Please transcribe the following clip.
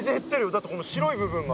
だってこの白い部分が。